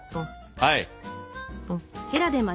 はい。